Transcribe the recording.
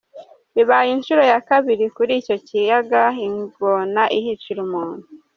Bibaye inshuro ya kabiri kuri icyo kiyaga, ingona ihicira umuntu.